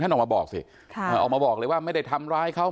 ออกมาบอกสิออกมาบอกเลยว่าไม่ได้ทำร้ายเขา